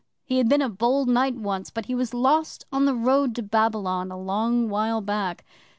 He had been a bold knight once, but he was lost on the road to Babylon, a long while back.